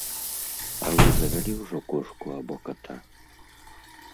А вы завялі ўжо кошку або ката?